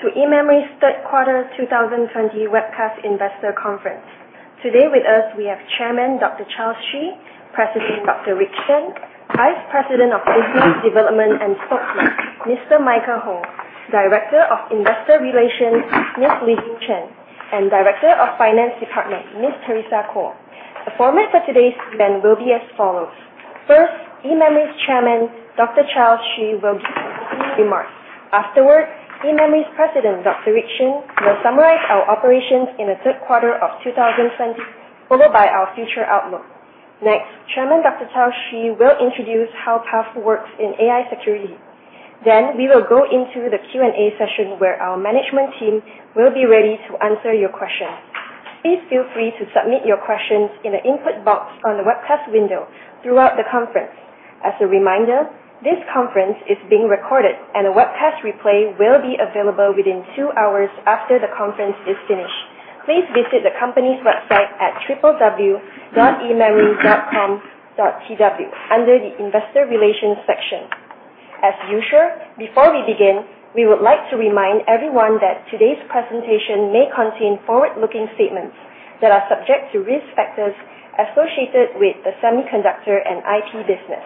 Welcome to eMemory's Third Quarter 2020 Webcast Investor Conference. Today with us, we have Chairman, Dr. Charles Hsu; President, Dr. Rick Shen; Vice President of Business Development and Spokesman, Mr. Michael Ho; Director of Investor Relations, Ms. Li-Jeng Chen; and Director of Finance Department, Ms. Teresa Kuo. The format for today's event will be as follows. First, eMemory's Chairman, Dr. Charles Hsu, will give his remarks. Afterward, eMemory's President, Dr. Rick Shen, will summarize our operations in the third quarter of 2020, followed by our future outlook. Next, Chairman Dr. Charles Hsu will introduce how PUF works in AI security. We will go into the Q&A session, where our management team will be ready to answer your questions. Please feel free to submit your questions in the input box on the webcast window throughout the conference. As a reminder, this conference is being recorded, and a webcast replay will be available within two hours after the conference is finished. Please visit the company's website at www.ememory.com.tw under the investor relations section. As usual, before we begin, we would like to remind everyone that today's presentation may contain forward-looking statements that are subject to risk factors associated with the semiconductor and IT business.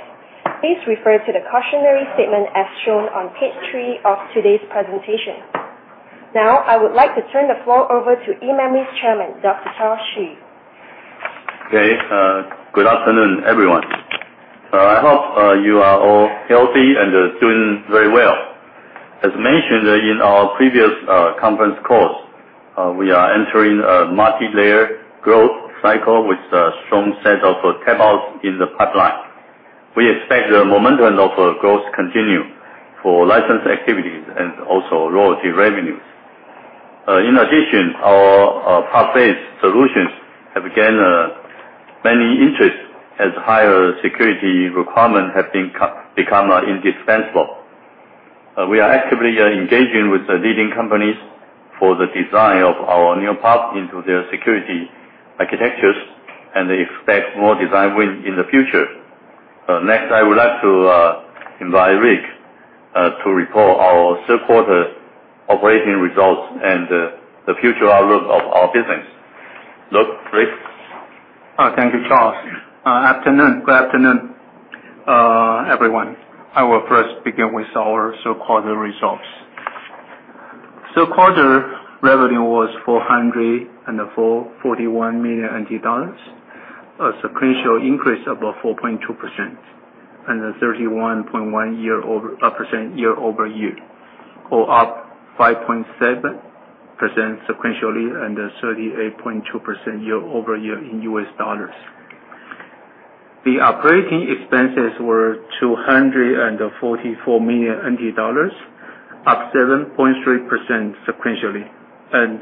Please refer to the cautionary statement as shown on page three of today's presentation. Now, I would like to turn the floor over to eMemory's Chairman, Dr. Charles Hsu. Good afternoon, everyone. I hope you are all healthy and doing very well. As mentioned in our previous conference calls, we are entering a multilayer growth cycle with a strong set of breakouts in the pipeline. We expect the momentum of growth to continue for license activities and also royalty revenues. In addition, our PUF-based solutions have gained much interest as higher security requirements have become indispensable. We are actively engaging with the leading companies for the design of our NeoPUF into their security architectures. They expect more design wins in the future. I would like to invite Rick to report our third quarter operating results and the future outlook of our business. Rick. Thank you, Charles. Good afternoon, everyone. I will first begin with our third quarter results. Third quarter revenue was 441 million NT dollars, a sequential increase of 4.2% and a 31.1% year-over-year, or up 5.7% sequentially and a 38.2% year-over-year in U.S. dollars. The operating expenses were 244 million NT dollars, up 7.3% sequentially and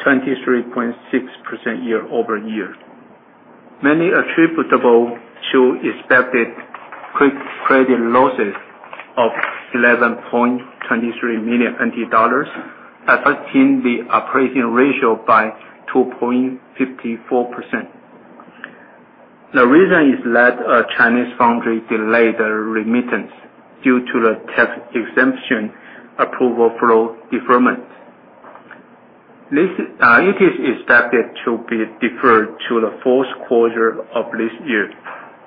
23.6% year-over-year. Mainly attributable to expected credit losses of 11.23 million NT dollars, affecting the operating ratio by 2.54%. The reason is that a Chinese foundry delayed their remittance due to the tax exemption approval flow deferment. It is expected to be deferred to the fourth quarter of this year.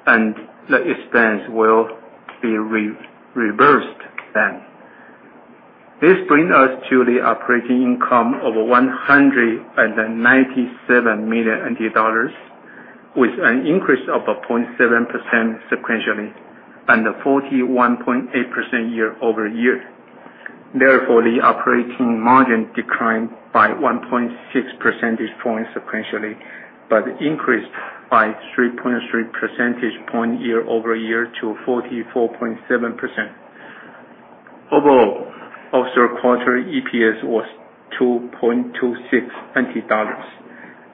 The expense will be reversed then. This brings us to the operating income of 197 million dollars, with an increase of 0.7% sequentially and a 41.8% year-over-year. Therefore, the operating margin declined by 1.6% points sequentially, but increased by 3.3% points year-over-year to 44.7%. Overall, our third quarter EPS was 2.26 dollars,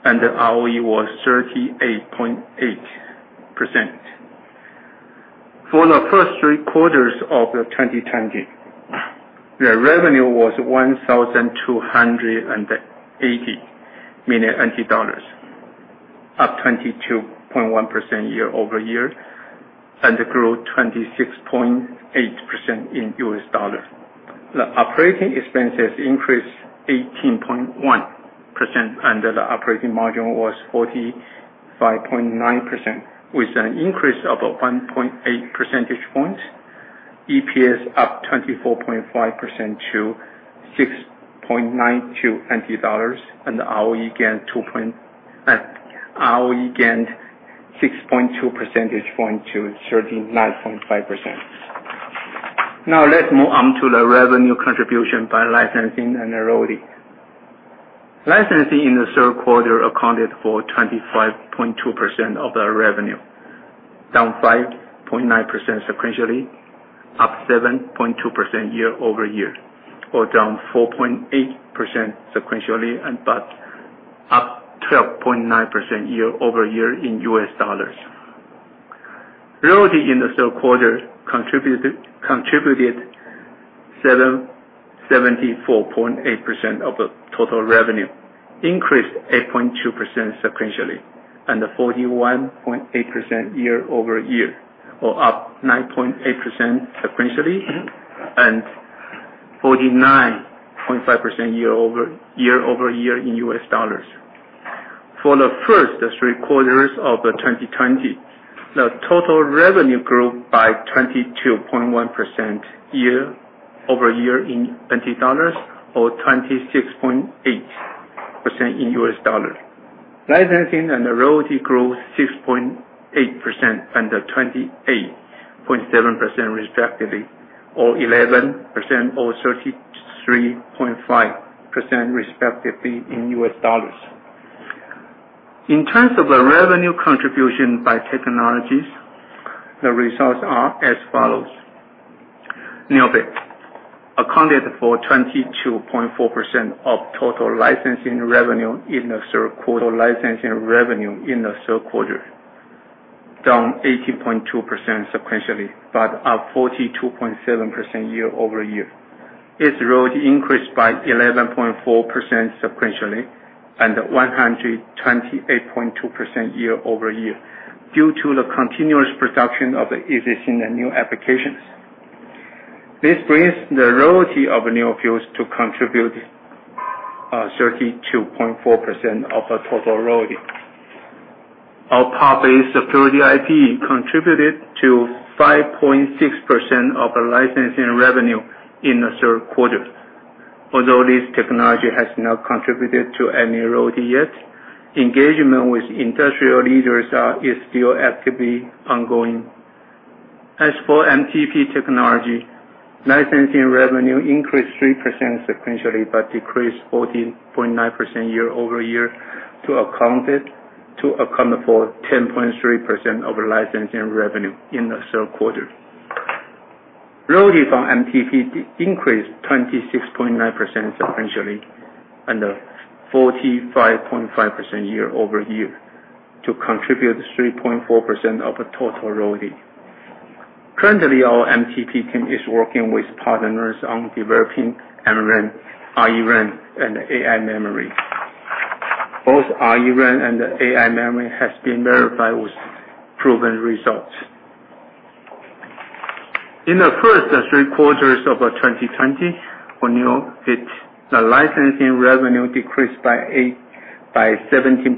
and the ROE was 38.8%. For the first three quarters of 2020, the revenue was 1,280 million dollars, up 22.1% year-over-year and grew 26.8% in US dollars. The operating expenses increased 18.1%, and the operating margin was 45.9%, with an increase of 1.8% points. EPS up 24.5% to 6.92 dollars, and the ROE gained 6.2% points to 39.5%. Now let's move on to the revenue contribution by licensing and royalty. Licensing in the third quarter accounted for 25.2% of the revenue, down 5.9% sequentially, up 7.2% year-over-year, or down 4.8% sequentially, but up 12.9% year-over-year in US dollars. Royalty in the third quarter contributed 74.8% of the total revenue. Increased 8.2% sequentially and 41.8% year-over-year, or up 9.8% sequentially and 49.5% year-over-year in US dollars. For the first three quarters of 2020, the total revenue grew by 22.1% year-over-year in TWD or 26.8% in US dollars. Licensing and the royalty growth, 6.8% and 28.7% respectively, or 11% or 33.5% respectively in US dollars. In terms of the revenue contribution by technologies, the results are as follows. NeoBit accounted for 22.4% of total licensing revenue in the third quarter. Total licensing revenue in the third quarter, down 18.2% sequentially but up 42.7% year-over-year. Its royalty increased by 11.4% sequentially and 128.2% year-over-year due to the continuous production of existing and new applications. This brings the royalty of NeoFuse to contribute 32.4% of the total royalty. Our PUF-based security IP contributed to 5.6% of the licensing revenue in the third quarter. Although this technology has not contributed to any royalty yet, engagement with industrial leaders is still actively ongoing. As for NeoMTP technology, licensing revenue increased 3% sequentially but decreased 14.9% year-over-year to account for 10.3% of licensing revenue in the third quarter. Royalty from NeoMTP increased 26.9% sequentially and 45.5% year-over-year to contribute 3.4% of the total royalty. Currently, our NeoMTP team is working with partners on developing MRAM, ReRAM, and AI memory. Both ReRAM and AI memory has been verified with proven results. In the first three quarters of 2020, for NeoBit, the licensing revenue decreased by 17.5%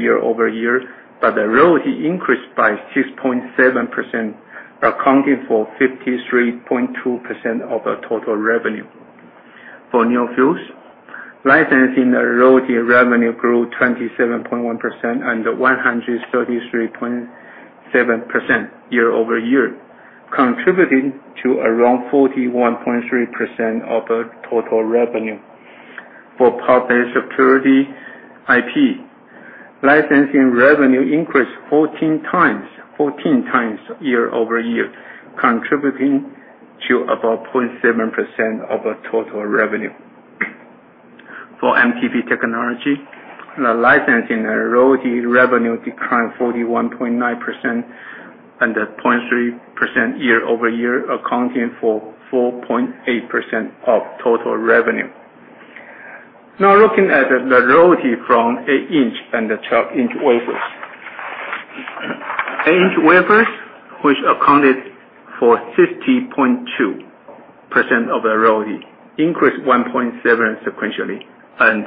year-over-year, but the royalty increased by 6.7%, accounting for 53.2% of the total revenue. For NeoFuse, licensing the royalty revenue grew 27.1% and 133.7% year-over-year, contributing to around 41.3% of the total revenue. For PUF based security IP, licensing revenue increased 14x year-over-year, contributing to about 0.7% of the total revenue. For NeoMTP technology, the licensing royalty revenue declined 41.9% and at 0.3% year-over-year, accounting for 4.8% of total revenue. Now looking at the royalty from eight-inch and the 12-inch wafers. Eight-inch wafers, which accounted for 50.2% of the royalty, increased 1.7% sequentially and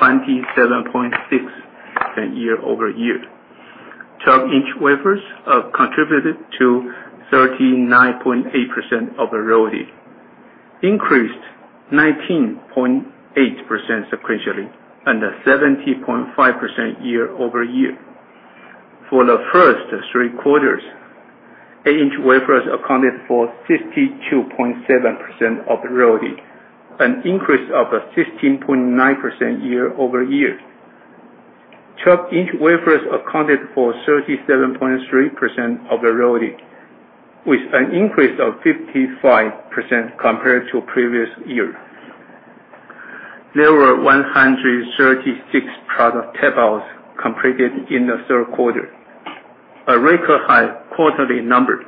27.6% year-over-year. 12 inch wafers contributed to 39.8% of the royalty, increased 19.8% sequentially and 70.5% year-over-year. For the first three quarters, eight-inch wafers accounted for 62.7% of the royalty, an increase of 16.9% year-over-year. 12-inch wafers accounted for 37.3% of the royalty, with an increase of 55% compared to previous year. There were 136 product tape-outs completed in the third quarter, a record high quarterly number,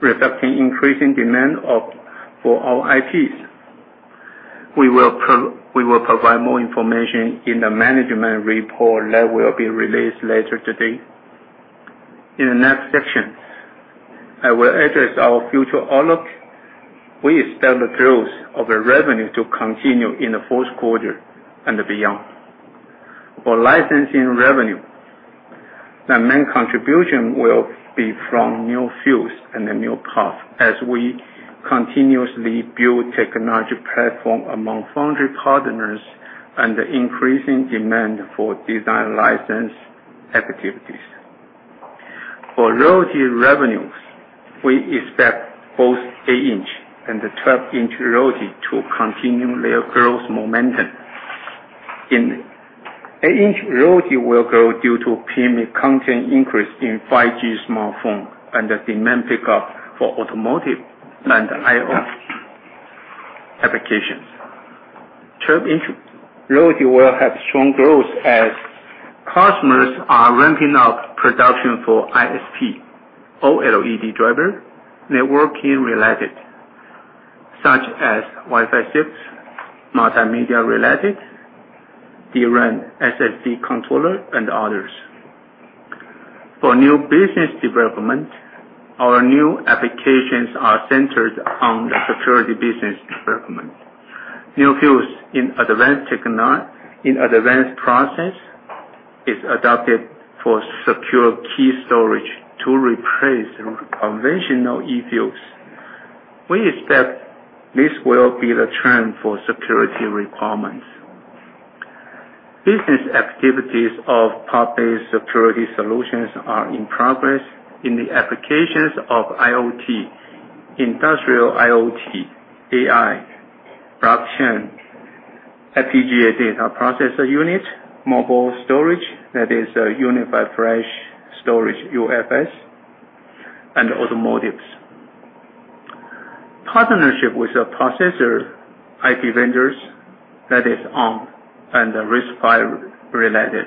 reflecting increasing demand for our IPs. We will provide more information in the management report that will be released later today. In the next sections, I will address our future outlook. We expect the growth of the revenue to continue in the fourth quarter and beyond. For licensing revenue, the main contribution will be from NeoFuse and the NeoPUF as we continuously build technology platform among foundry partners and the increasing demand for design license activities. For royalty revenues, we expect both eight inch and the 12-inch royalty to continue their growth momentum. In 8-inch, royalty will grow due to premium content increase in 5G smartphone and the demand pickup for automotive and IoT applications. 12-inch royalty will have strong growth as customers are ramping up production for ISP, OLED driver, networking-related, such as Wi-Fi chips, multimedia related, DRAM, SSD controller, and others. For new business development, our new applications are centered on the security business development. NeoFuse in advanced process is adopted for secure key storage to replace conventional eFuse. We expect this will be the trend for security requirements. Business activities of PUF-based security solutions are in progress in the applications of IoT, industrial IoT, AI, blockchain, FPGA data processor unit, mobile storage, that is a Universal Flash Storage, UFS, and automotives. Partnership with a processor IP vendors, that is Arm and the RISC-V related,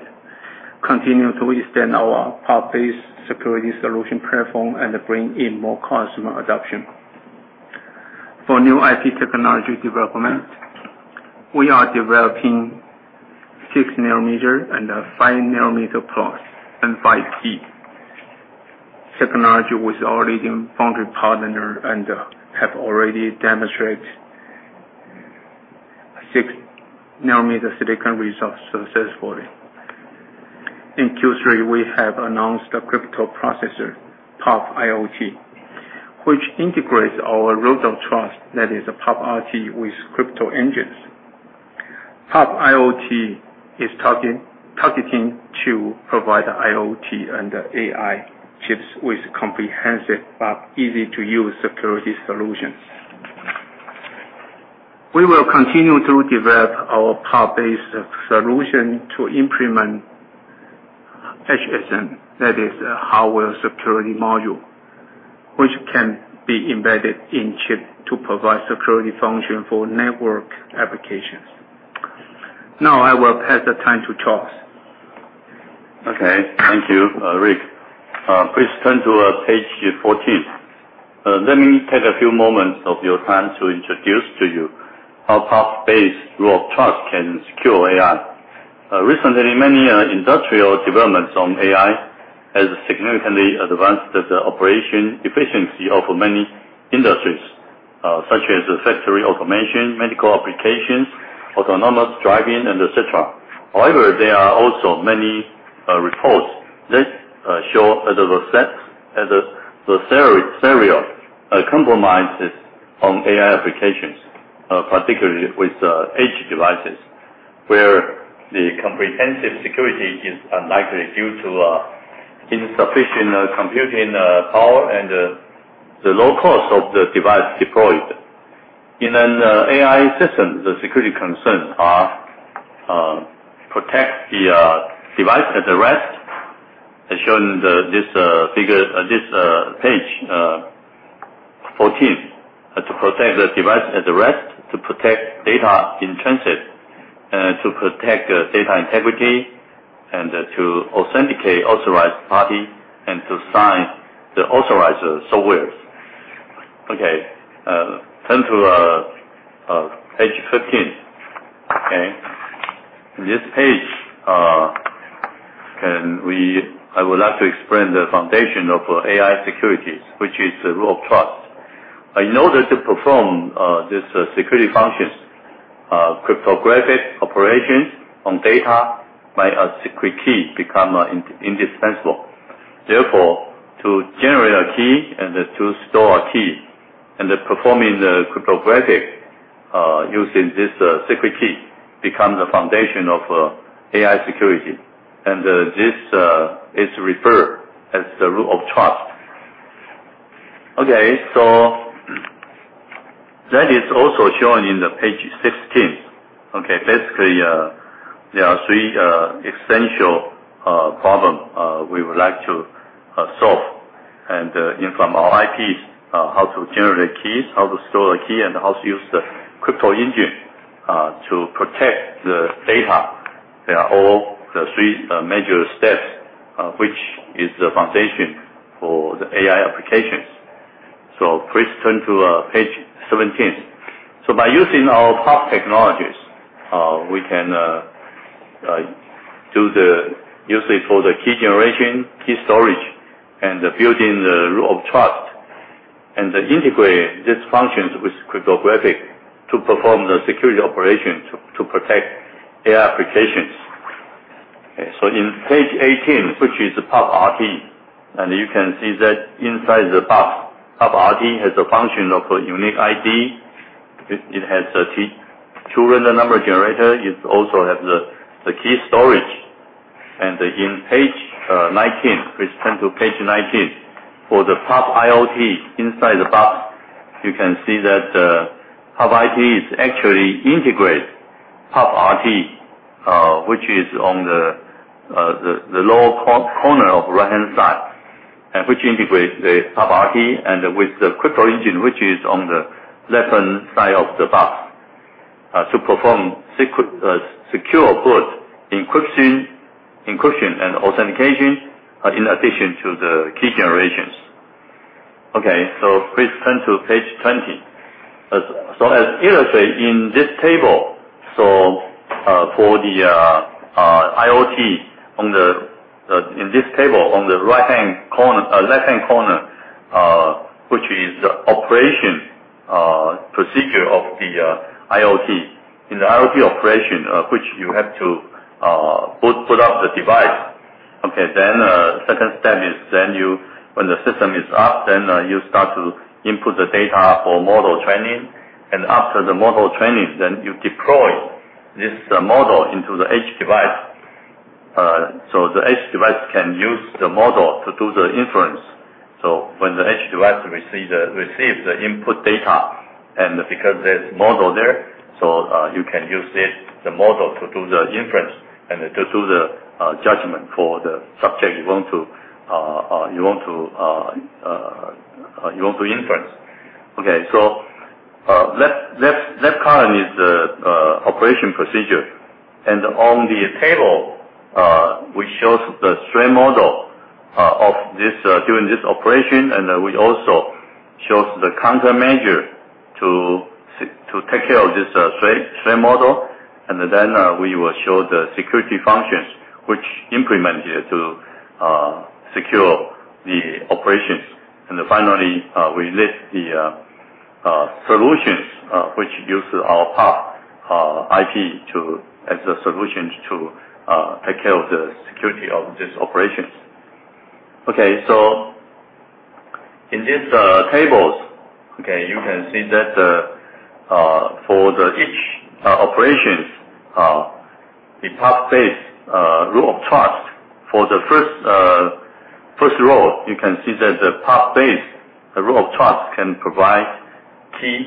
continue to extend our PUF-based security solution platform and bring in more customer adoption. For new IP technology development, we are developing six nanometer and a five nanometer+, and N5P technology with our leading foundry partner and have already demonstrated six nanometer silicon results successfully. In Q3, we have announced a crypto processor, PUFiot, which integrates our Root of Trust, that is PUFrt with crypto engines. PUFiot is targeting to provide IoT and AI chips with comprehensive but easy-to-use security solutions. We will continue to develop our PUF-based solution to implement HSM, that is a Hardware Security Module, which can be embedded in chip to provide security function for network applications. I will pass the time to Charles. Okay. Thank you, Rick. Please turn to page 14. Let me take a few moments of your time to introduce to you how PUF-based Root of Trust can secure AI. Recently, many industrial developments on AI has significantly advanced the operation efficiency of many industries, such as factory automation, medical applications, autonomous driving, and et cetera. However, there are also many reports that show the serious compromises on AI applications, particularly with edge devices, where the comprehensive security is unlikely due to insufficient computing power and the low cost of the device deployed. In an AI system, the security concerns are: protect the device at rest, as shown in this page, 14. To protect the device at rest, to protect data in transit, to protect data integrity, and to authenticate authorized party, and to sign the authorized softwares. Okay. Turn to page 15. Okay. In this page, I would like to explain the foundation of AI securities, which is the Root of Trust. In order to perform these security functions, cryptographic operations on data by a secret key become indispensable. Therefore, to generate a key and to store a key, and performing the cryptographic using this secret key becomes the foundation of AI security. This is referred as the Root of Trust. Okay. That is also shown in page 16. Basically, there are three essential problems we would like to solve. From our IPs, how to generate keys, how to store the key, and how to use the crypto engine to protect the data. They are all the three major steps, which is the foundation for the AI applications. Please turn to page 17. By using our PUF technologies, we can do the usage for the key generation, key storage, and building the Root of Trust, and integrate these functions with cryptographic to perform the security operation to protect AI applications. Okay, in page 18, which is PUFrt, and you can see that inside the box, PUFrt has a function of a unique ID. It has a true random number generator. It also has the key storage. In page 19, please turn to page 19. For the PUFiot inside the box, you can see that PUFiot is actually integrate PUFrt, which is on the lower corner of right-hand side, and which integrates the PUFrt and with the crypto engine, which is on the left-hand side of the box. Perform secure boot encryption and authentication in addition to the key generations. Okay, please turn to page 20. As illustrated in this table, for the IoT, in this table on the left-hand corner, which is operation procedure of the IoT. In the IoT operation, which you have to boot up the device. Second step is when the system is up, you start to input the data for model training. After the model training, you deploy this model into the edge device. The edge device can use the model to do the inference. When the edge device receives the input data, because there's model there, you can use the model to do the inference and to do the judgment for the subject you want to inference. Left column is the operation procedure. On the table, we show the threat model during this operation, we also show the countermeasure to take care of this threat model. We will show the security functions which implement here to secure the operations. Finally, we list the solutions, which use our PUF IP as a solution to take care of the security of these operations. In these tables, you can see that for each operation, the PUF-based Root of Trust, for the first row, you can see that the PUF-based Root of Trust can provide key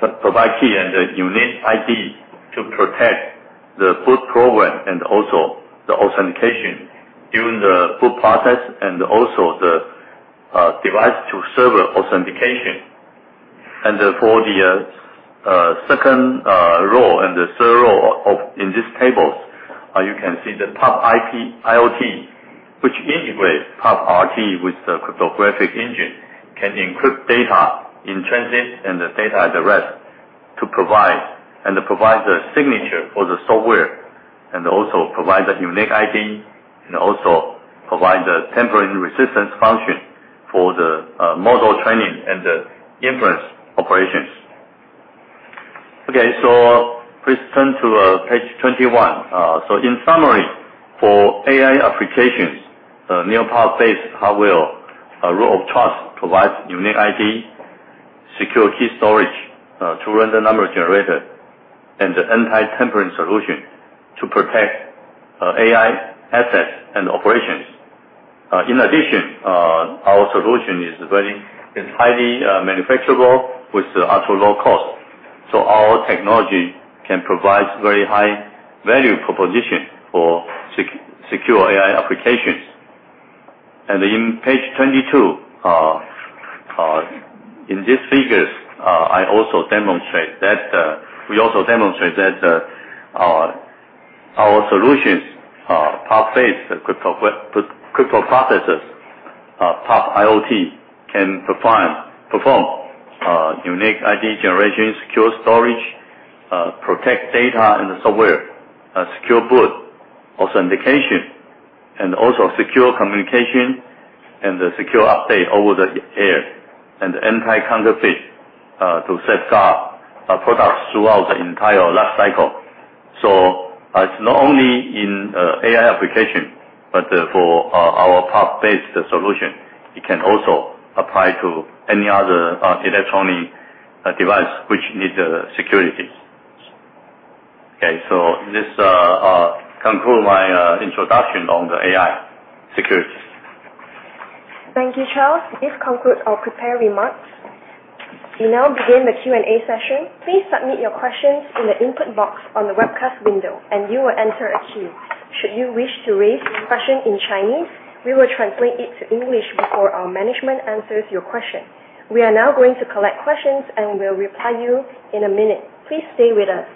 and the unique ID to protect the boot program, and also the authentication during the boot process, and also the device-to-server authentication. For the second row and the third row in these tables, you can see the PUF IP IoT, which integrates PUF IP with the cryptographic engine, can encrypt data in transit and the data at rest, and provide the signature for the software, and also provide the unique ID, and also provide the tempering resistance function for the model training and the inference operations. Please turn to page 21. In summary, for AI applications, NeoPUF-based hardware Root of Trust provides unique ID, secure key storage, true random number generator, and anti-tampering solution to protect AI assets and operations. In addition, our solution is highly manufacturable with ultra-low cost. Our technology can provide very high value proposition for secure AI applications. In page 22, in these figures, we also demonstrate that our solutions, PUF-based crypto processors, PUFiot, can perform unique ID generation, secure storage, protect data and the software, secure boot authentication, and also secure communication, and the secure update over the air. Anti-counterfeit to safeguard products throughout the entire life cycle. It's not only in AI application, but for our PUF-based solution, it can also apply to any other electronic device which needs security. Okay, this concludes my introduction on the AI securities. Thank you, Charles. This concludes our prepared remarks. We now begin the Q&A session. Please submit your questions in the input box on the webcast window. You will enter a queue. Should you wish to raise your question in Chinese, we will translate it to English before our management answers your question. We are now going to collect questions. We'll reply you in a minute. Please stay with us.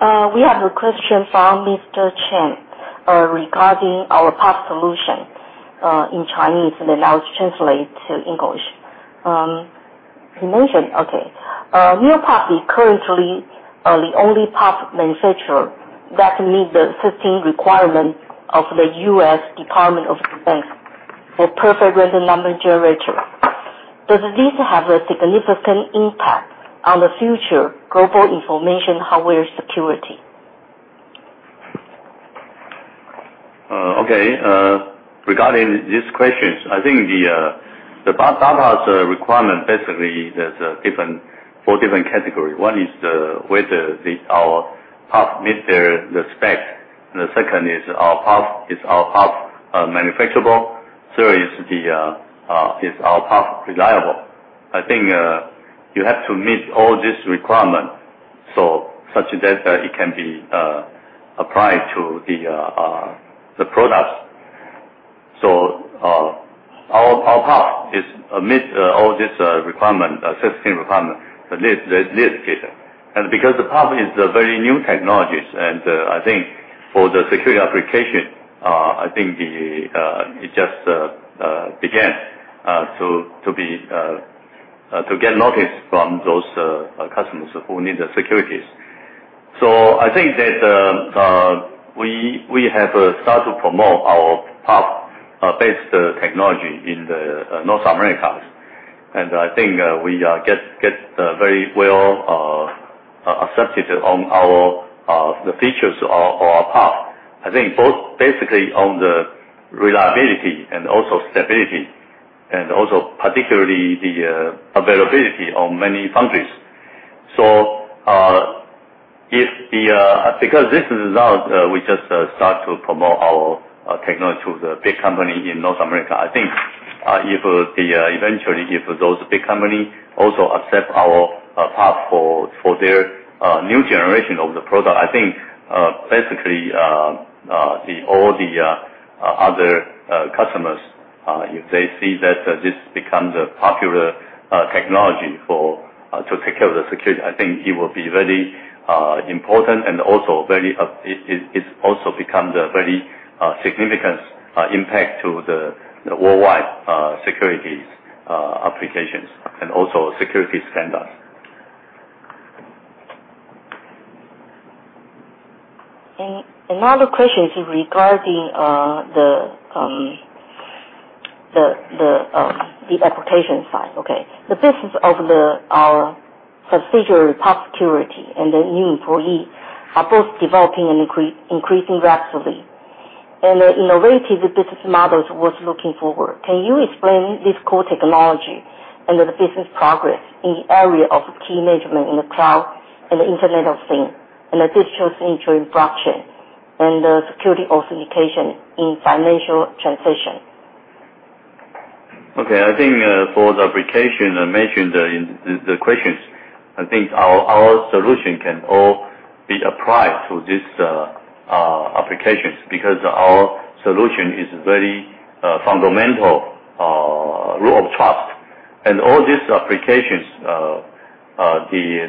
We have a question from Mr. Chen regarding our PUF solution in Chinese. Then I'll translate to English. He mentioned. NeoPUF is currently the only PUF manufacturer that meets the FIPS 140 requirement of the U.S. Department of Defense for true random number generator. Does this have a significant impact on the future global information hardware security? Okay. Regarding these questions, I think the PUF requirements, basically, there are four different categories. One is whether our PUF meets the spec. The second is our PUF manufacturable? Third is our PUF reliable? I think you have to meet all these requirements such that it can be applied to the products. Our PUF meets all these 16 requirements, at least this case. Because PUF is a very new technology, and I think for the security application, I think it just began to get noticed from those customers who need securities. I think that we have started to promote our PUF-based technology in North America. I think we get very well accepted on the features of our PUF. I think both basically on the reliability and also stability, and also particularly the availability of many foundries. Because this result, we just start to promote our technology to the big companies in North America. I think, eventually, if those big companies also accept our PUF for their new generation of the product, I think basically all the other customers, if they see that this becomes a PUFular technology to take care of security, I think it will be very important, and it also becomes a very significant impact to the worldwide securities applications and also security standards. Another question is regarding the application side. Okay. The business of our subsidiary, PUFsecurity, and the new employee are both developing and increasing rapidly, and the innovative business models worth looking forward. Can you explain this core technology and the business progress in the area of key management in the cloud and the Internet of Things, and the digital signature in blockchain, and the security authentication in financial transactions? Okay, I think for the application mentioned in the questions, I think our solution can all be applied to these applications because our solution is a very fundamental Root of Trust. All these applications,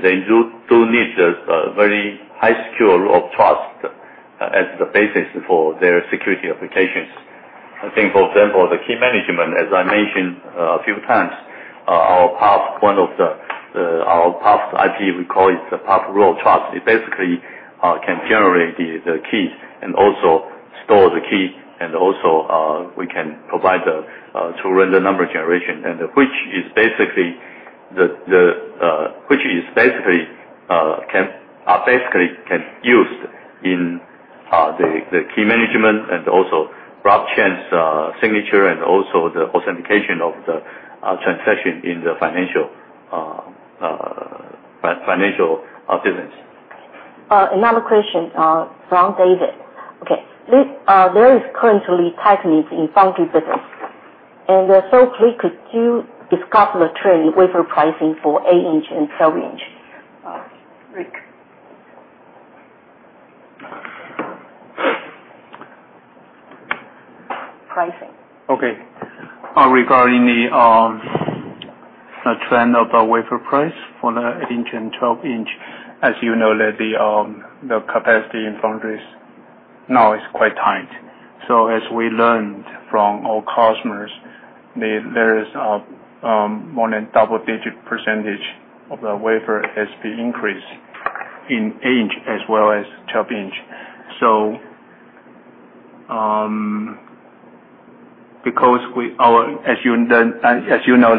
they do need a very high secure Root of Trust as the basis for their security applications. I think, for example, the key management, as I mentioned a few times, our PUF IP, we call it the PUF Root of Trust. It basically can generate the keys and also store the keys, and also we can provide the true random number generation. Which basically can be used in key management, and also blockchain signature, and also the authentication of the transaction in the financial business. Another question from David. Okay. There is currently tightness in foundry business. Please could you discuss the trend in wafer pricing for 8-inch and 12-inch. Rick. Pricing. Okay. Regarding the trend of the wafer price for the 8-inch and 12-inch, as you know, the capacity in foundries now is quite tight. As we learned from our customers, there is more than double-digit percentage of the wafer ASP increase in 8-inch as well as 12-inch. As you know,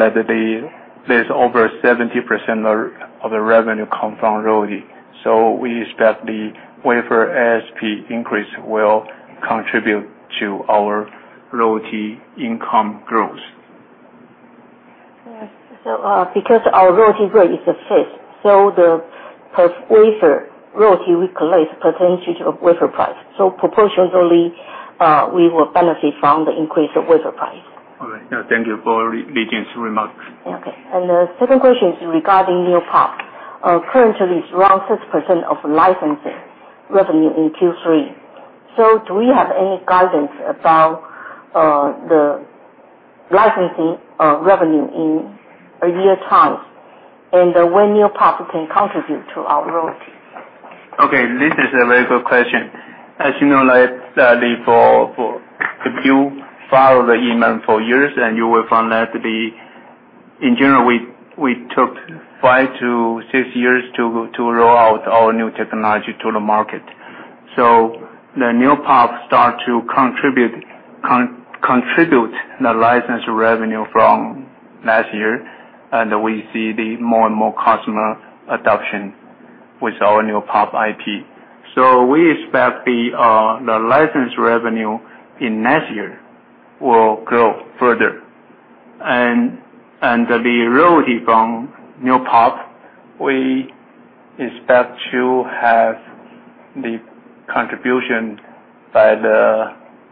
there's over 70% of the revenue comes from royalty, so we expect the wafer ASP increase will contribute to our royalty income growth. Yes. Because our royalty rate is fixed, so the per wafer royalty we collect percentage of wafer price. Proportionally, we will benefit from the increase of wafer price. All right. Thank you for Li-Jeng's remarks. Okay. The second question is regarding NeoPUF. Currently, it's around 6% of licensing revenue in Q3. Do we have any guidance about the licensing revenue in a year time, and when NeoPUF can contribute to our royalty? Okay, this is a very good question. As you know, if you follow eMemory for years, and you will find that, in general, we took five to six years to roll out our new technology to the market. The NeoPUF start to contribute the license revenue from last year. We see more and more customer adoption with our NeoPUF IP. We expect the license revenue in next year will grow further. The royalty from NeoPUF, we expect to have the contribution by the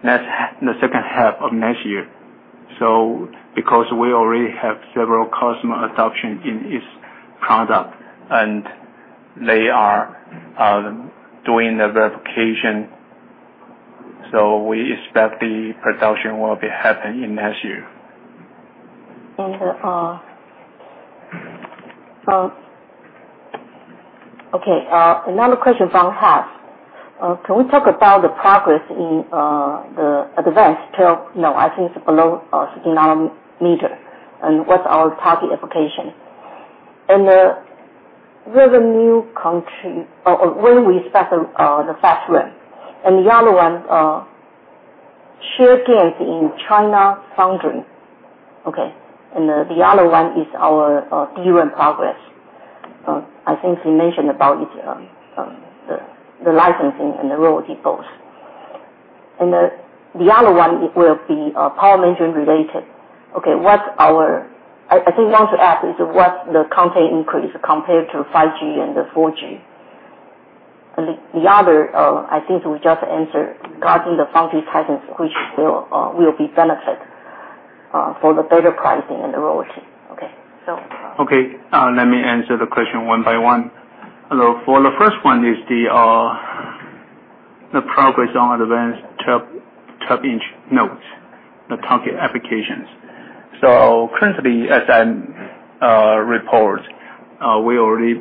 second half of next year. We already have several customer adoption in each product. They are doing the verification. We expect the production will be happening next year. Okay. Another question. Can we talk about the progress in the advanced 12 nanometer, I think it's below 16 nanometer, and what's our target application? When we expect the fast ramp. The other one, share gains in China foundry. Okay. The other one is our DRAM progress. I think you mentioned about the licensing and the royalty both. The other one will be power management related. I think I want to ask is, what's the content increase compared to 5G and 4G? The other, I think it was just answered, regarding the foundry patents, which will be benefit for the better pricing and the royalty. Okay. Okay. Let me answer the question one by one. The first one is the progress on advanced 12-inch nodes, the target applications. Currently, as I report, we already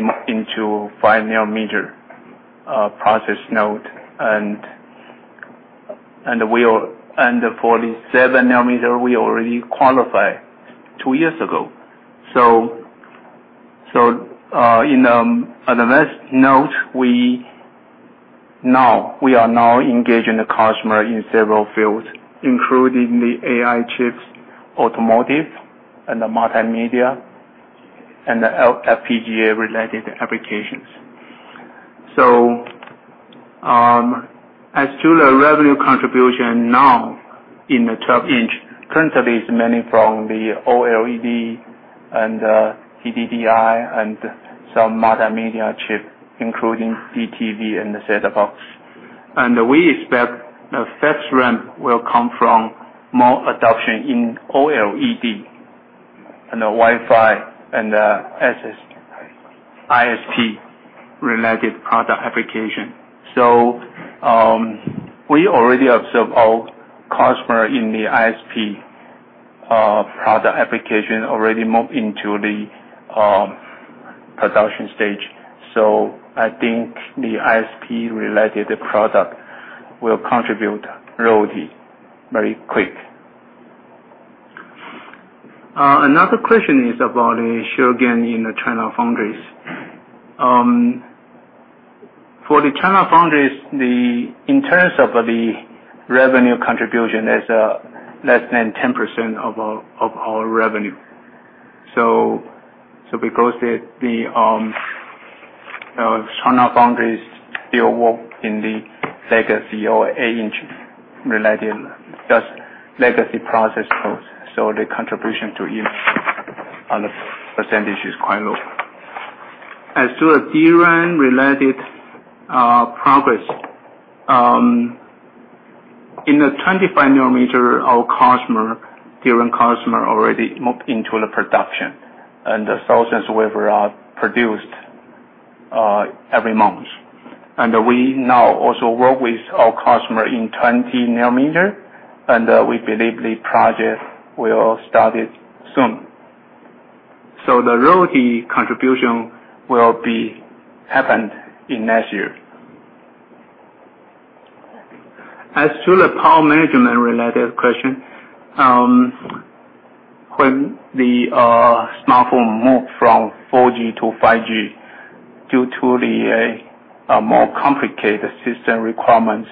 moved into 5-nanometer process node, and the 7-nanometer, we already qualified two years ago. In the advanced node, we are now engaging the customer in several fields, including the AI chips, automotive, and the multimedia, and the FPGA-related applications. As to the revenue contribution now in the 12 inch, currently, it's mainly from the OLED and DDI and some multimedia chip, including DTV and the set-top box. We expect fast ramp will come from more adoption in OLED and Wi-Fi and ISP-related product application. We already observe our customer in the ISP product application already moved into the production stage. I think the ISP-related product will contribute royalty very quick. Another question is about the share gain in the China foundries. For the China foundries, in terms of the revenue contribution, it's less than 10% of our revenue. Because the China foundries still work in the legacy or eight-inch legacy process nodes. The contribution to it on the percentage is quite low. As to the DRAM-related progress. In the 25-nanometer, our DRAM customer already moved into the production, and thousands of wafers are produced every month. We now also work with our customer in 20 nanometer, and we believe the project will be started soon. The royalty contribution will happen in next year. As to the power management-related question. When the smartphone moved from 4G to 5G, due to the more complicated system requirements,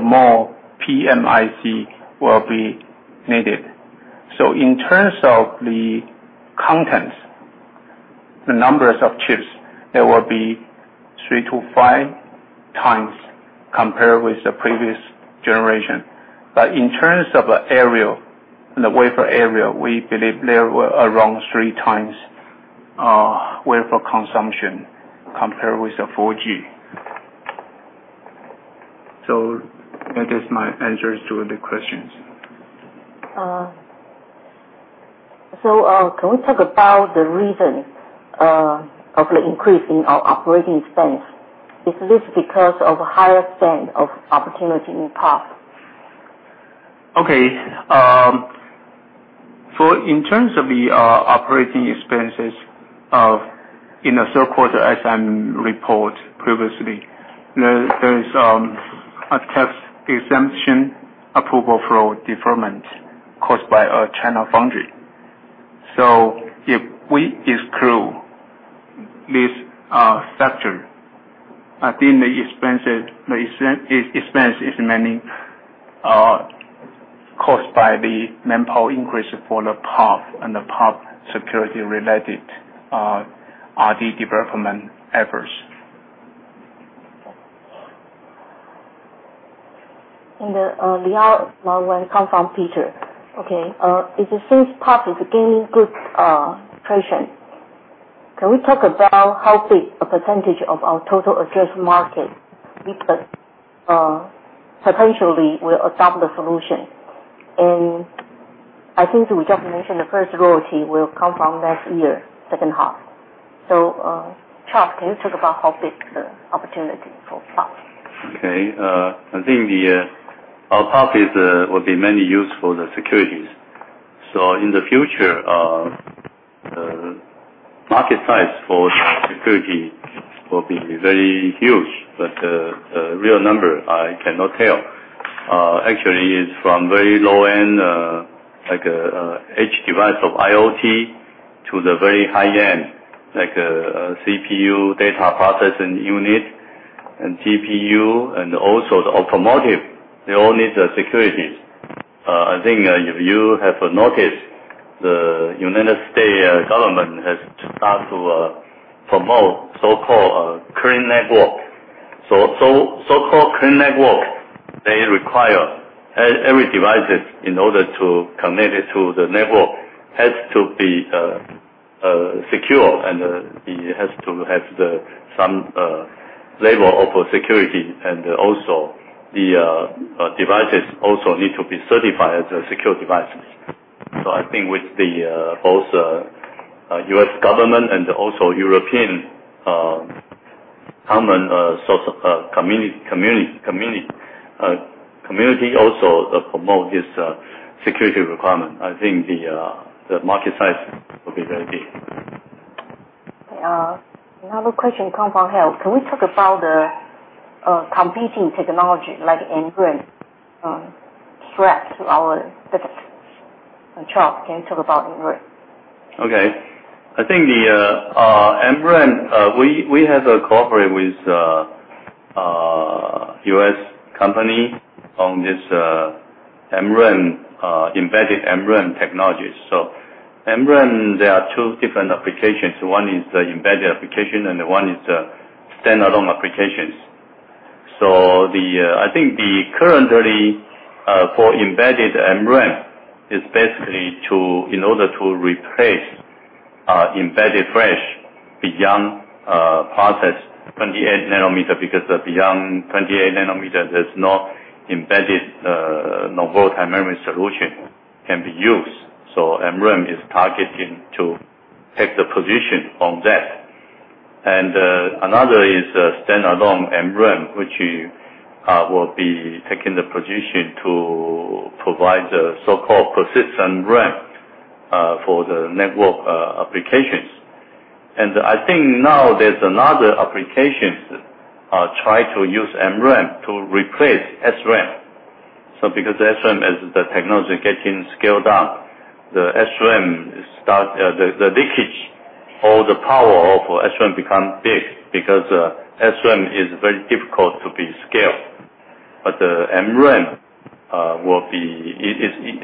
more PMIC will be needed. In terms of the contents, the numbers of chips, there will be three to five times compared with the previous generation. In terms of the wafer area, we believe there were around three times wafer consumption compared with the 4G. That is my answers to the questions. Can we talk about the reason of the increase in our operating expense? Is this because of higher spend of opportunity in PUF? Okay. In terms of the operating expenses in the third quarter, as I reported previously, there is a tax exemption approval for deferment caused by a China foundry. This sector. I think the expense is mainly caused by the manpower increase for the PUF and the PUFsecurity-related R&D development efforts. The other one will come from Peter. Okay. It seems PUF is gaining good traction. Can we talk about how big a percentage of our total addressable market, because potentially we'll adopt the solution. I think we just mentioned the first royalty will come from next year, second half. Charles, can you talk about how big the opportunity for PUF? I think our PUF will be mainly used for securities. In the future, market size for security will be very huge. The real number, I cannot tell. Actually, it's from very low-end, like edge device of IoT, to the very high-end, like CPU, data processing unit, and GPU, and also the automotive. They all need securities. I think, if you have noticed, the U.S. government has started to promote so-called Clean Network. So-called Clean Network, they require every device, in order to connect to the network, has to be secure and it has to have some level of security, and the devices also need to be certified as secure devices. I think with both U.S. government and also European Union also promote this security requirement. I think the market size will be very big. Okay. Another question come from Harold. Can we talk about the competing technology like MRAM threats to our business? Charles, can you talk about MRAM? Okay. I think the MRAM, we have a cooperation with a U.S. company on this embedded MRAM technology. MRAM, there are two different applications. One is the embedded application, and one is standalone applications. I think currently, for embedded MRAM, it's basically in order to replace embedded flash beyond process 28 nanometer, because beyond 28 nanometer, there's no embedded non-volatile memory solution can be used. MRAM is targeting to take the position on that. Another is standalone MRAM, which will be taking the position to provide the so-called persistent MRAM for the network applications. I think now there's another application trying to use MRAM to replace SRAM. Because SRAM, as the technology getting scaled down, the SRAM, the leakage or the power of SRAM become big because SRAM is very difficult to be scaled. The MRAM is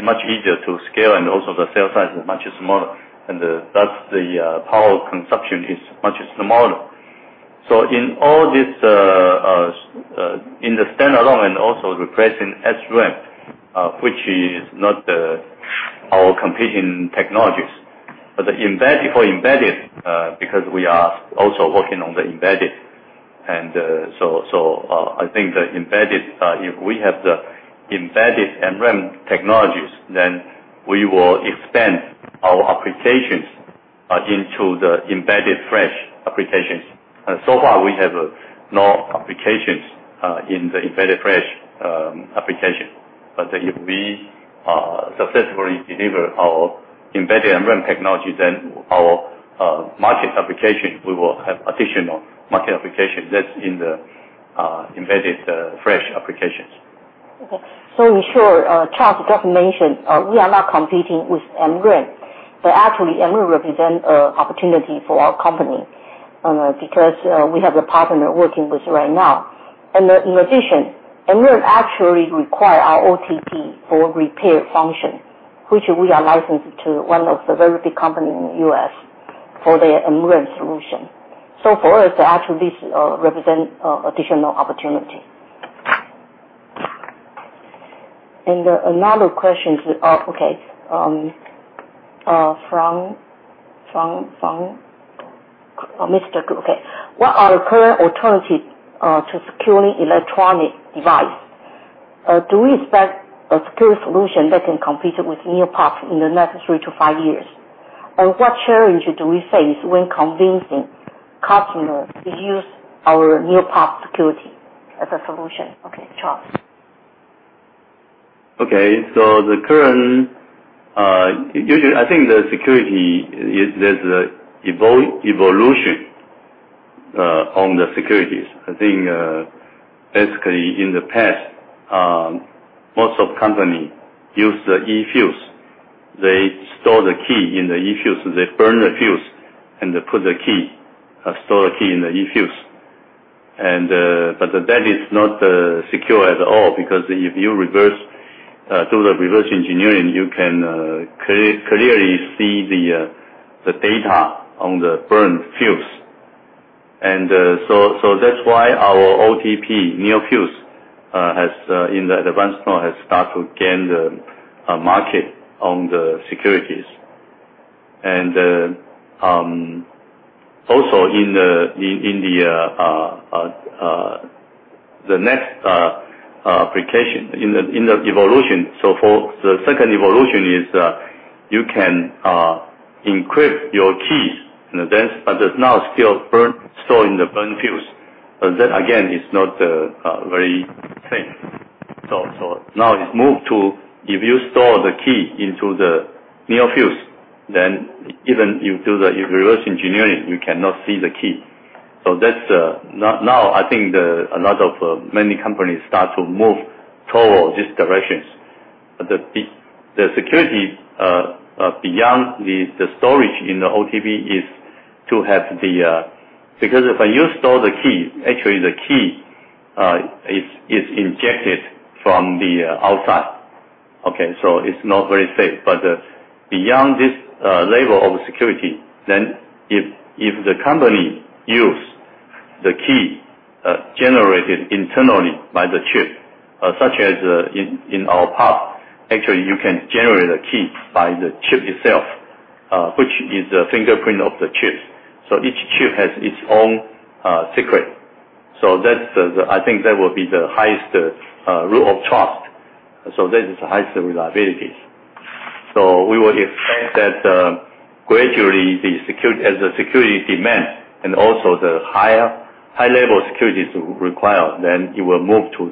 much easier to scale, and also the cell size is much smaller. Thus, the power consumption is much smaller. In the standalone and also replacing SRAM, which is not our competing technologies. For embedded, because we are also working on the embedded. I think the embedded, if we have the embedded MRAM technologies, then we will expand our applications into the embedded flash applications. So far, we have no applications in the embedded flash application. If we successfully deliver our embedded MRAM technology, then our market application, we will have additional market application that's in the embedded flash applications. In short, Charles just mentioned, we are not competing with MRAM, but actually, MRAM represents an opportunity for our company, because we have a partner we're working with right now. In addition, MRAM actually require our OTP for repair function, which we are licensed to one of the very big company in the U.S. for their MRAM solution. For us, actually, this represents additional opportunity. Another question from Mr. Gu. What are the current alternatives to securing electronic device? Do we expect a secure solution that can compete with NeoPUF in the next three to five years? What challenge do we face when convincing customers to use our NeoPUF security as a solution? Charles. Okay. I think the security, there's an evolution on the securities. I think, basically, in the past, most of companies used eFuse. They store the key in the eFuse. They burn the fuse and store the key in the eFuse. That is not secure at all, because if you do the reverse engineering, you can clearly see the data on the burnt fuse. That's why our OTP, NeoFuse, in the advanced node, has started to gain the market on the securities. Also in the next application, in the evolution. For the second evolution is, you can encrypt your keys, but it's now still stored in the burnt fuse. That, again, is not very safe. Now it's moved to, if you store the key into the NeoFuse, then even if you do the reverse engineering, you cannot see the key. Now, I think, many companies start to move toward this direction. The security beyond the storage in the OTP, because if you store the key, actually, the key is injected from the outside. Okay. It's not very safe. Beyond this level of security, if the company uses the key generated internally by the chip, such as in our PUF, actually, you can generate a key by the chip itself, which is a fingerprint of the chip. Each chip has its own secret. I think that will be the highest Root of Trust. That is the highest reliability. We will expect that, gradually, as the security demand and also the high-level security is required, it will move to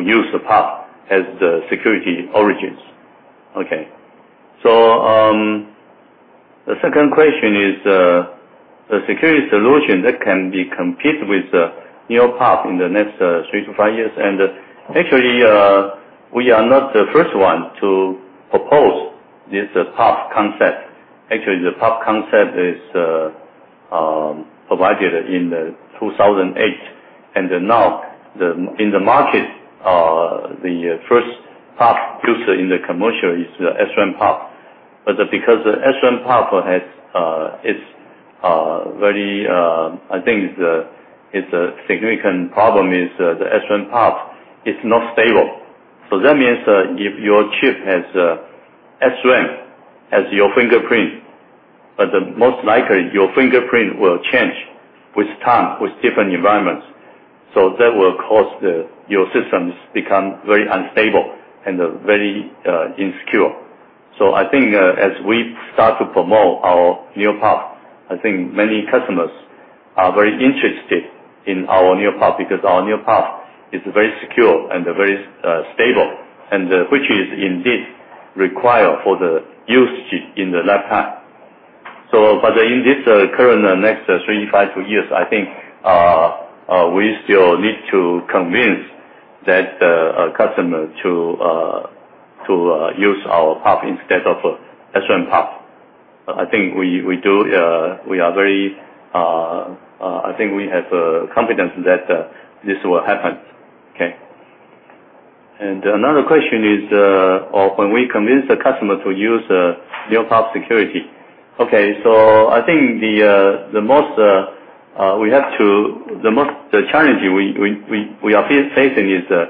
use the PUF as the security origins. Okay. The second question is, the security solution that can compete with NeoPUF in the next three to five years, and actually, we are not the first one to propose this PUF concept. The PUF concept is provided in 2008, and now in the market, the first PUF producer in the commercial is the SRAM PUF. Because the SRAM PUF, I think its significant problem is the SRAM PUF is not stable. That means, if your chip has SRAM as your fingerprint, but most likely, your fingerprint will change with time, with different environments. That will cause your systems to become very unstable and very insecure. I think, as we start to promote our NeoPUF, I think many customers are very interested in our NeoPUF, because our NeoPUF is very secure and very stable, and which is indeed required for the usage in the laptop. But in this current next three to five years, I think, we still need to convince that customer to use our PUF instead of SRAM PUF. Okay. Another question is, when we convince the customer to use NeoPUF security. I think the challenge we are facing is,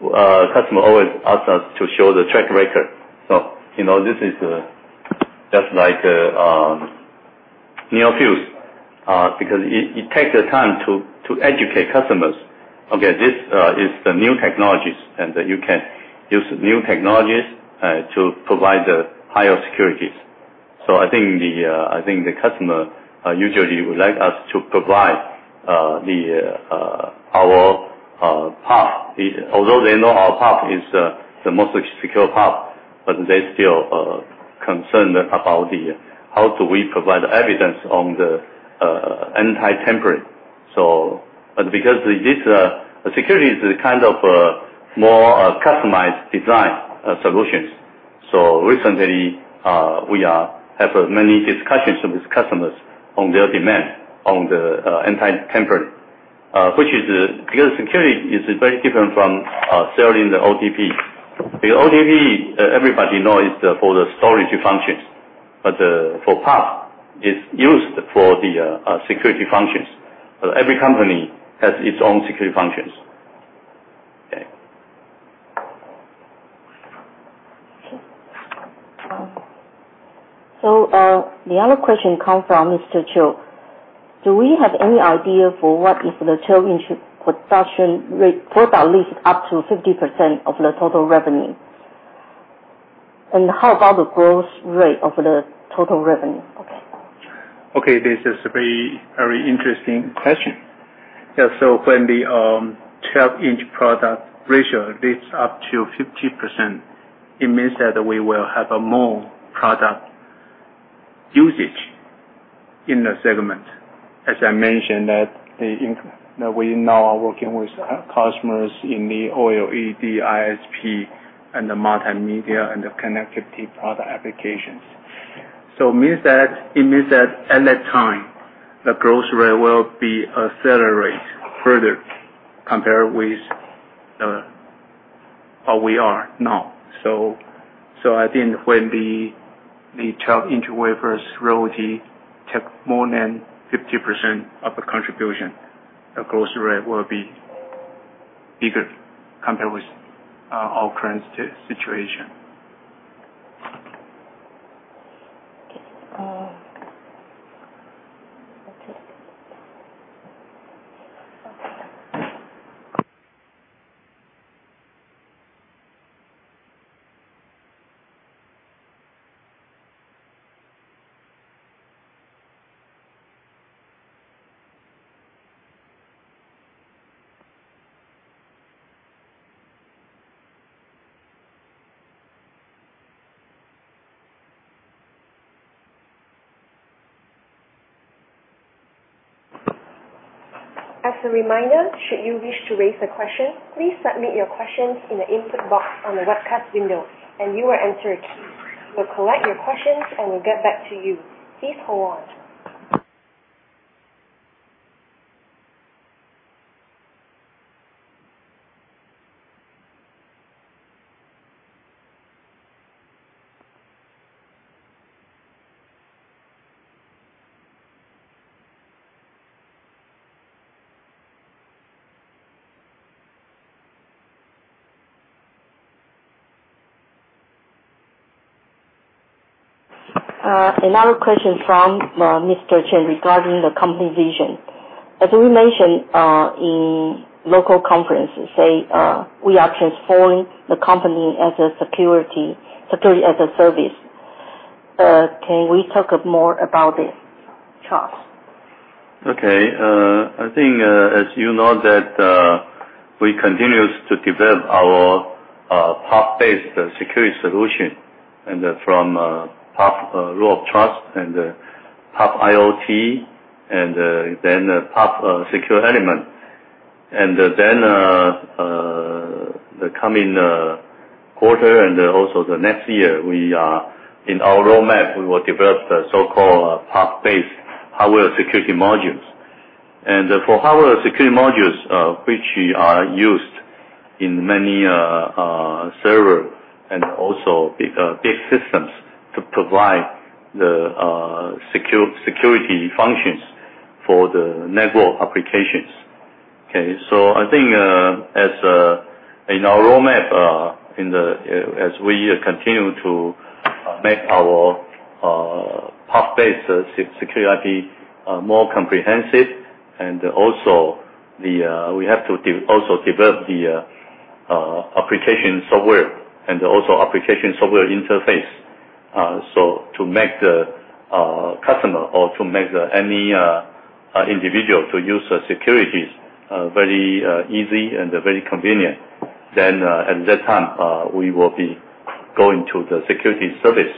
customer always asks us to show the track record. This is just like NeoFuse, because it takes the time to educate customers. Okay, this is the new technologies, and that you can use new technologies to provide higher securities. I think the customer usually would like us to provide our PUF. Although they know our PUF is the most secure PUF, but they're still concerned about how do we provide evidence on the anti-tamper. Because security is kind of a more customized design solutions. Recently, we have had many discussions with customers on their demand on the anti-tamper. Security is very different from selling the OTP. The OTP, everybody knows, is for the storage functions. For PUF, it's used for the security functions. Every company has its own security functions. Okay. The other question comes from Mr. Chu. Do we have any idea for what if the 12-inch production product mix up to 50% of the total revenue? How about the growth rate of the total revenue? Okay. Okay. This is a very interesting question. Yeah, when the 12-inch product ratio is up to 50%, it means that we will have more product usage in the segment. As I mentioned that we now are working with customers in the OLED, ISP, and the multimedia and the connectivity product applications. It means that at that time, the growth rate will be accelerated further compared with where we are now. I think when the 12-inch wafers royalty take more than 50% of the contribution, the growth rate will be bigger compared with our current situation. Okay. As a reminder, should you wish to raise a question, please submit your questions in the input box on the webcast window, and you will answer it. We'll collect your questions, and we'll get back to you. Please hold on. Another question from Mr. Chen regarding the company vision. As you mentioned in local conferences, we are transforming the company as a security as a service. Can we talk more about this, Charles? I think, as you know, that we continue to develop our PUF-based security solution, and from PUF Root of Trust and PUFiot, and then PUF secure element. The coming quarter and also the next year, in our roadmap, we will develop the so-called PUF-based Hardware Security Modules. For Hardware Security Modules, which are used in many servers and also big systems to provide the security functions for the network applications. I think in our roadmap, as we continue to make our PUF-based security more comprehensive, and also we have to also develop the application software and also application software interface, so to make the customer or to make any individual to use security very easy and very convenient. At that time, we will be going to the security service.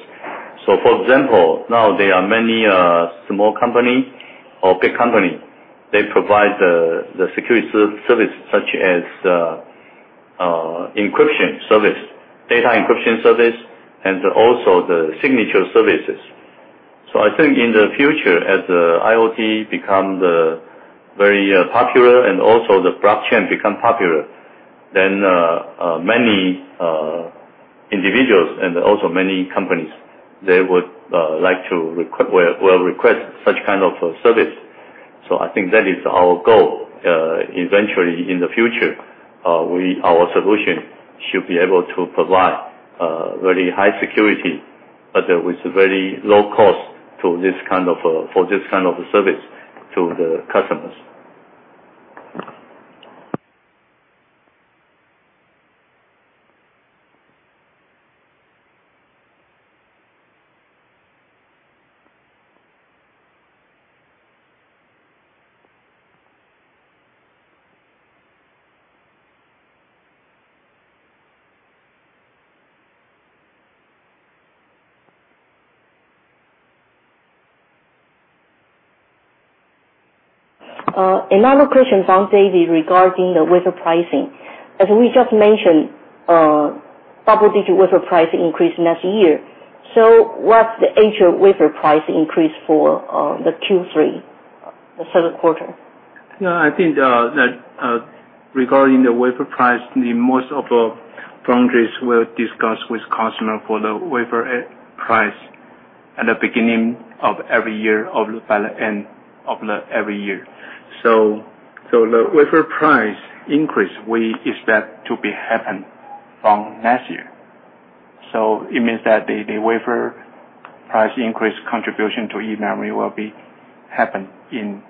For example, now there are many small company or big company, they provide the security service such as encryption service, data encryption service, and also the signature services. I think in the future, as IoT become very PUFular and also the blockchain become PUFular, then many individuals and also many companies, they would like to request such kind of service. I think that is our goal. Eventually, in the future, our solution should be able to provide very high security, but with very low cost for this kind of service to the customers. Another question from David regarding the wafer pricing. As we just mentioned, double-digit wafer price increase next year. What's the actual wafer price increase for the Q3, the second quarter? I think that regarding the wafer price, most of the foundries will discuss with customer for the wafer price at the beginning of every year or by the end of every year. The wafer price increase, we expect to happen from next year. It means that the wafer price increase contribution to eMemory will happen in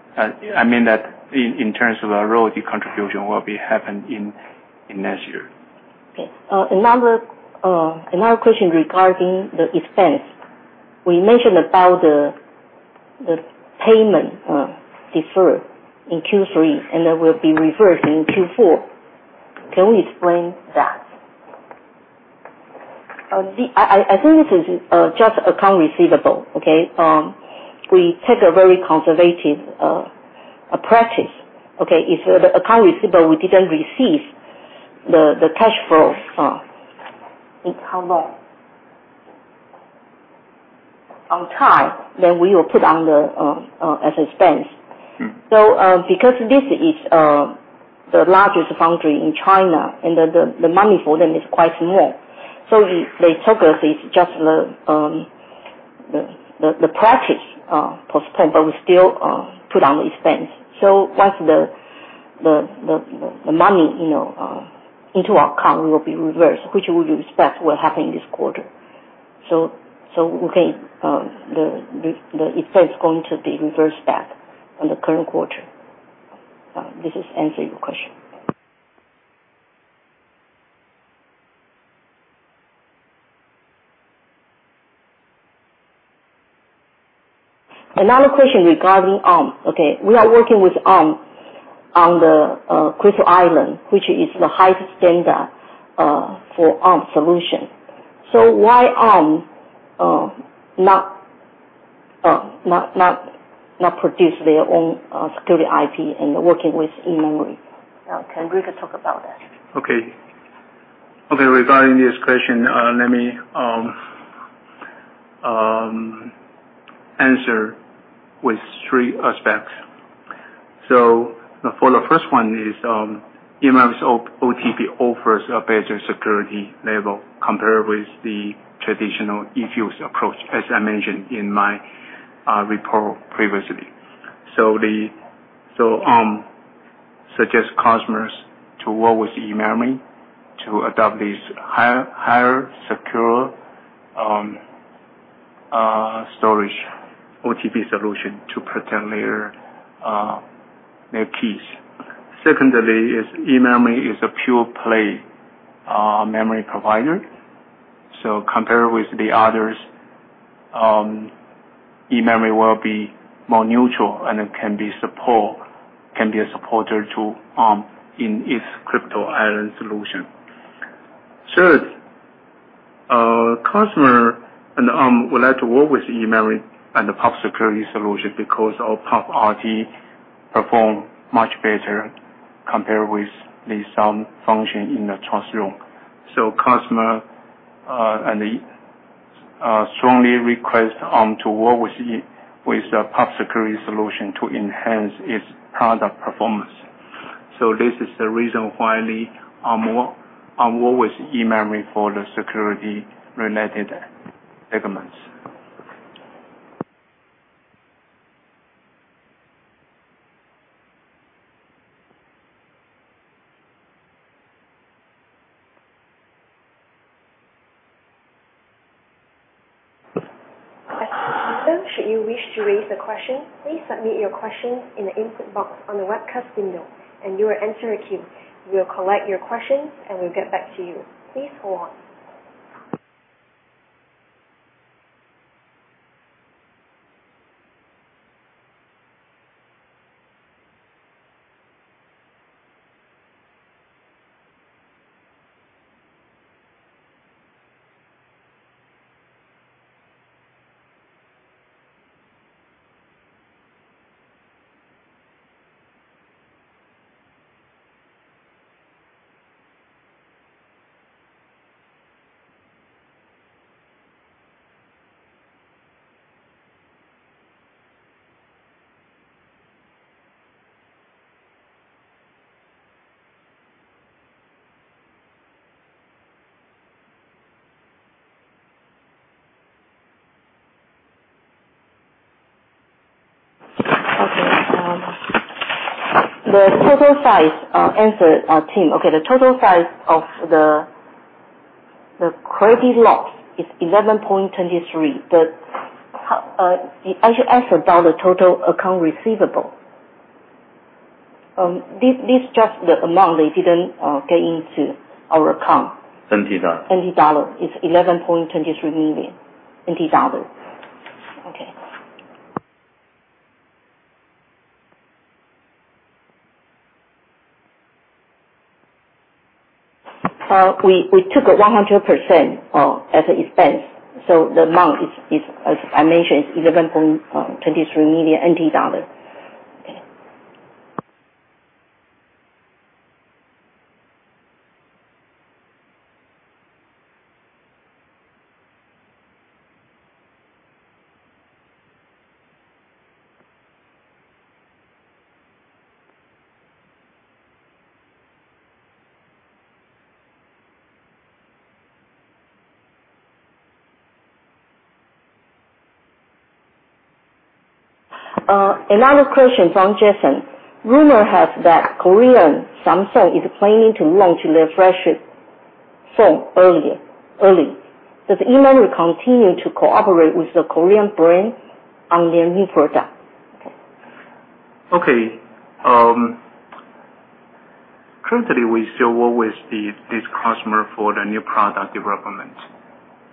terms of a royalty contribution next year. Okay. Another question regarding the expense. We mentioned about the payment deferred in Q3, and that will be reversed in Q4. Can we explain that? I think this is just account receivable. We take a very conservative practice. If the account receivable, we didn't receive the cash flow in Hong Kong on time, then we will put on as expense. Because this is the largest foundry in China, and the money for them is quite small. They took this, it's just the practice postponed, but we still put on the expense. Once the money into our account will be reversed, which we expect will happen this quarter. The expense going to be reversed back on the current quarter. Does this answer your question? Another question regarding Arm. We are working with Arm on the CryptoIsland, which is the highest standard for Arm solution. Why Arm not produce their own security IP and working with eMemory? Can Rick talk about that? Okay. Regarding this question, let me answer with three aspects. For the first one is, eMemory's OTP offers a better security level compared with the traditional eFuse approach, as I mentioned in my report previously. Arm suggest customers to work with eMemory to adopt this higher secure storage OTP solution to protect their keys. Secondly is, eMemory is a pure play memory provider. Compared with the others, eMemory will be more neutral, and it can be a supporter to Arm in its CryptoIsland solution. Third, customer and Arm would like to work with eMemory and the PUFsecurity solution because our PUFrt perform much better compared with the some function in the TrustZone. Customer strongly request Arm to work with the PUFsecurity solution to enhance its product performance. This is the reason why Arm work with eMemory for the security-related segments. Should you wish to raise a question, please submit your question in the input box on the webcast window, and you will answer it here. We'll collect your questions, and we'll get back to you. Please hold on. Okay. Answer, Tim. Okay. The total size of the credit loss is 11.23. The actual dollar total account receivable. This just the amount they didn't pay into our account. New TWD. Taiwan dollar. It's 11.23 million. Okay. We took 100% as an expense, so the amount, as I mentioned, is 11.23 million NT dollars. Okay. Another question from Jason. Rumor has it that Korean Samsung is planning to launch their flagship phone early. Does eMemory continue to cooperate with the Korean brand on their new product? Okay. Currently, we still work with this customer for the new product development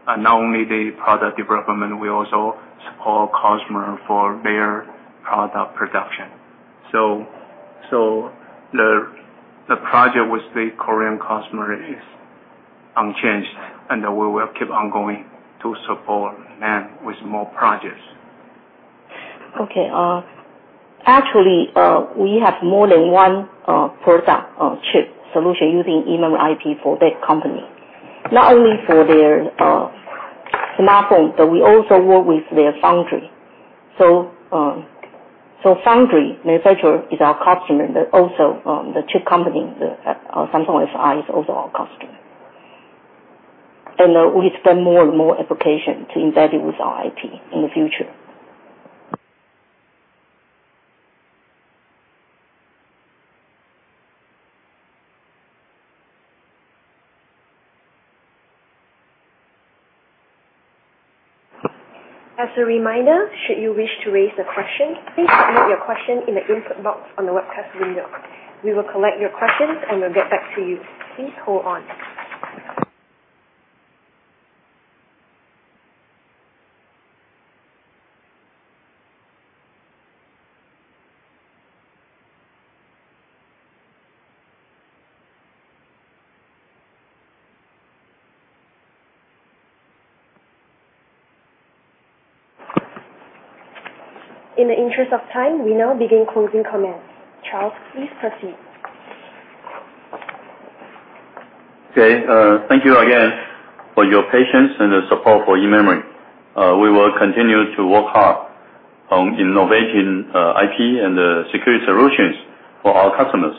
Not only the product development, we also support customer for their product production. The project with the Korean customer is unchanged, and we will keep on going to support them with more projects. Okay. Actually, we have more than one product chip solution using eMemory IP for that company, not only for their smartphone, but we also work with their foundry. Foundry manufacturer is our customer, but also the chip company, Samsung LSI is also our customer. We spend more and more application to embed it with our IP in the future. As a reminder, should you wish to raise a question, please type out your question in the input box on the webcast window. We will collect your questions and will get back to you. Please hold on. In the interest of time, we now begin closing comments. Charles, please proceed. Okay. Thank you again for your patience and the support for eMemory. We will continue to work hard on innovation IP and security solutions for our customers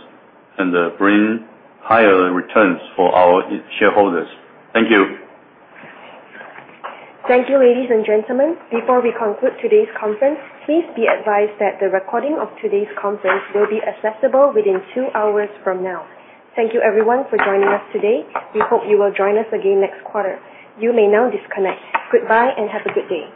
and bring higher returns for our shareholders. Thank you. Thank you, ladies and gentlemen. Before we conclude today's conference, please be advised that the recording of today's conference will be accessible within two hours from now. Thank you, everyone, for joining us today. We hope you will join us again next quarter. You may now disconnect. Goodbye, and have a good day.